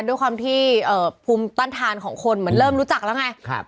ด้วยความที่ภูมิต้านทานของคนเหมือนเริ่มรู้จักแล้วไง